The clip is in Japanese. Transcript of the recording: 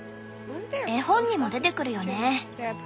絵本にも出てくるよね？